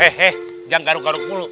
eh eh jangan garuk garuk mulu